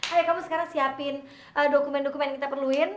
ayo kamu sekarang siapin dokumen dokumen yang kita perluin